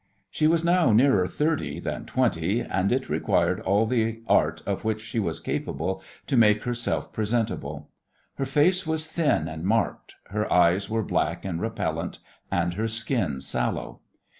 She was now nearer thirty than twenty, and it required all the art of which she was capable to make herself presentable. Her face was thin and marked, her eyes were black and repellent, and her skin sallow.